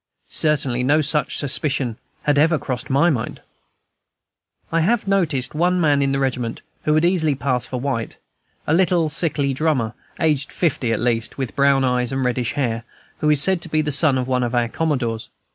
Certainly no such suspicion had ever crossed my mind. I have noticed one man in the regiment who would easily pass for white, a little sickly drummer, aged fifty at least, with brown eyes and reddish hair, who is said to be the son of one of our commodores.